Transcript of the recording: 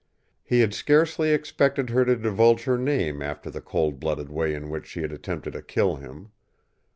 He had scarcely expected her to divulge her name after the cold blooded way in which she had attempted to kill him.